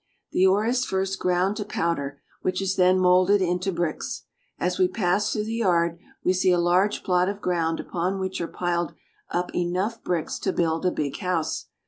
The ore is first ground to powder, which is then molded into bricks. As we pass through the yard we see a large plot of ground upon which are piled up enough bricks to build a big house.